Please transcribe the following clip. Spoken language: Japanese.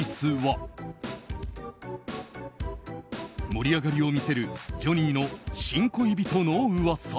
盛り上がりを見せるジョニーの新恋人の噂。